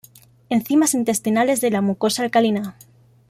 Enzimas intestinales de la mucosa alcalina.